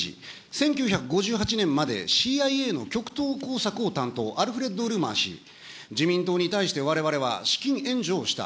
１９５８年までＣＩＡの極東工作を担当、アルフレッド・ウルマー氏、自民党に対してわれわれは資金援助をした。